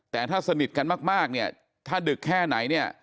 แต่ถ้าสนิทกันมากเนี่ยถ้าดึกแค่ไหนเนี่ย